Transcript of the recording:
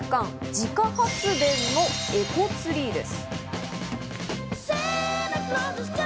自家発電のエコツリーです。